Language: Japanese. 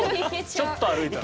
ちょっと歩いたら。